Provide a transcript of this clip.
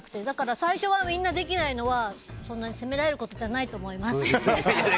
だから最初はみんなできないのはそんなに責められることじゃないと思います。